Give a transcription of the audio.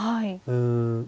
うん。